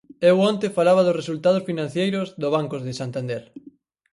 Eu onte falaba dos resultados financeiros do Banco de Santander.